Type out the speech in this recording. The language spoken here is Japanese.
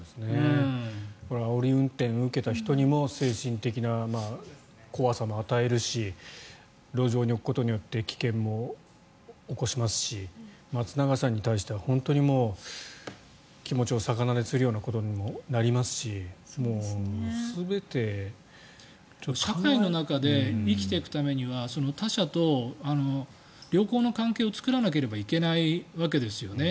これはあおり運転を受けた人にも精神的な怖さも与えるし路上に置くことによって危険も起こしますし松永さんに対しては本当に気持ちを逆なですることにもなりますし社会の中で生きていくためには他者と良好な関係を作らなければいけないわけですよね。